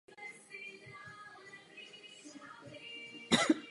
Z pohledu mnoha oblastí tu jde o zjednodušení pravidel.